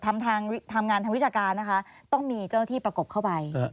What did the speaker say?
ทำงานทางวิชาการนะคะต้องมีเจ้าหน้าที่ประกบเข้าไป